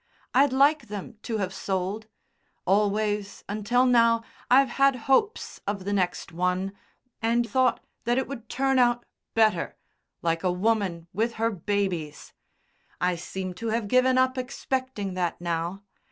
I'd like them to have sold. Always, until now, I've had hopes of the next one, and thought that it would turn out better, like a woman with her babies. I seem to have given up expecting that now.